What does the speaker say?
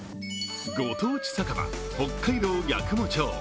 ご当地酒場・北海道八雲町。